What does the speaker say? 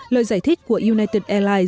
lời giải thích của united airlines